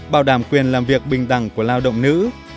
một bảo đảm quyền làm việc bình tẳng của lao động nữ